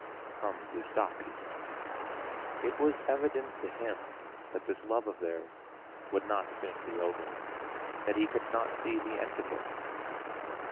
"Come, do stop!" he said. It was evident to him that this love of theirs would not soon be over, that he could not see the end of it.